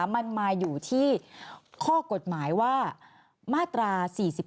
มันมาอยู่ที่ข้อกฎหมายว่ามาตรา๔๔